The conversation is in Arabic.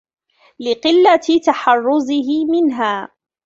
لِقِلَّةِ تَحَرُّزِهِ مِنْهَا